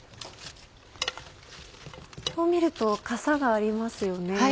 こう見るとかさがありますよね。